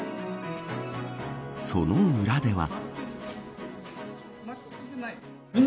その裏では。